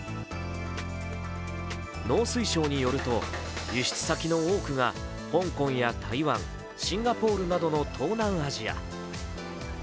農水省によると輸出先の多くが香港や台湾、シンガポールなどの東南アジア。